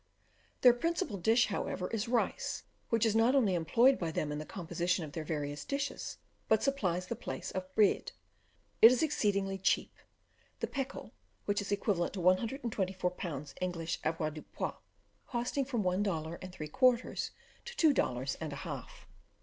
Their principal dish, however, is rice, which is not only employed by them in the composition of their various dishes, but supplies the place of bread. It is exceedingly cheap; the pekul, which is equal to 124 lbs. English avoirdupois, costing from one dollar and three quarters to two dollars and a half.